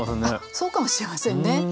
あそうかもしれませんね。